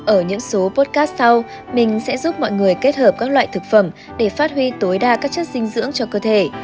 ở những số potcast sau mình sẽ giúp mọi người kết hợp các loại thực phẩm để phát huy tối đa các chất dinh dưỡng cho cơ thể